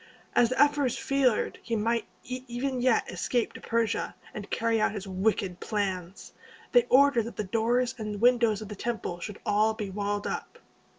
As the ephors feared he might even yet escape to Persia, and carry out his wicked plans, they ordered that the doors and windows of the temple should all be walled up.